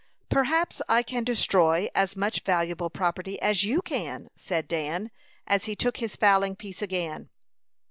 "Perhaps I can destroy as much valuable property as you can," said Dan, as he took his fowling piece again.